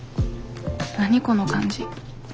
何この感じ。